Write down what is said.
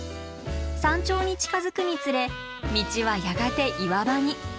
山頂に近づくにつれ道はやがて岩場に。